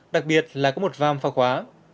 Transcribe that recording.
đặc biệt là có một vam pha khóa